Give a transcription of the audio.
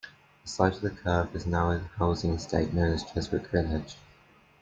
The site of the curve is now a housing estate known as Chiswick Village.